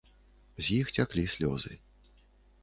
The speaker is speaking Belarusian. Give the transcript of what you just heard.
З іх цяклі слёзы.